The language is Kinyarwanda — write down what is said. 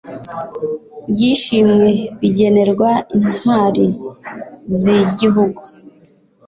by ishimwe bigenerwa intwari z igihugu